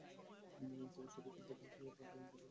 তবে সঠিক কথা হলো, তারা জান্নাতে প্রবেশ করবে।